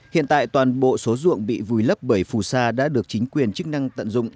hiện tại toàn bộ số ruộng bị vùi lấp bởi phù sa đã được chính quyền chức năng tận dụng